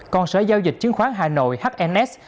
còn sở giao dịch chứng khoán hà nội hns